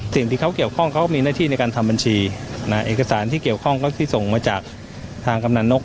สิ่งที่เขาเกี่ยวข้องเขาก็มีหน้าที่ในการทำบัญชีเอกสารที่เกี่ยวข้องก็คือส่งมาจากทางกำนันนก